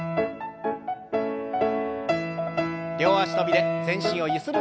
両脚跳びで全身をゆする運動です。